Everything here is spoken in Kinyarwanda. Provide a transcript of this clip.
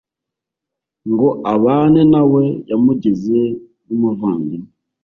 ngo abane nawe, yamugize n’umuvandimwe